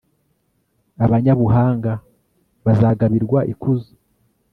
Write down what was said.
abanyabuhanga bazagabirwa ikuzo,